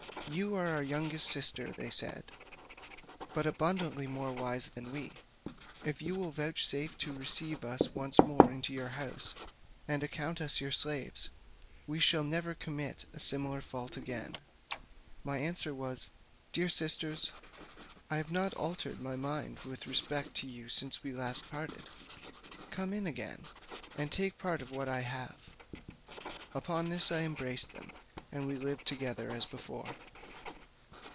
"You are our youngest sister," said they, "but abundantly more wise than we; if you will vouchsafe to receive us once more into your house, and account us your slaves, we shall never commit a similar fault again." My answer was, "Dear sisters, I have not altered my mind with respect to you since we last parted: come again, and take part of what I have." Upon this I embraced them, and we lived together as before.